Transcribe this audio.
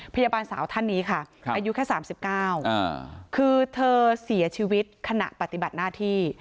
พยาบาลสาวท่านนี้ค่ะอายุแค่๓๙คือเธอเสียชีวิตขณะปฏิบัติหน้าที่